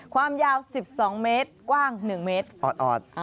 ความยาว๑๒เมตรกว้าง๑เมตรออด